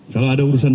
kalau ada urusan